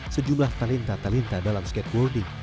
sejumlah talenta talenta dalam skateboarding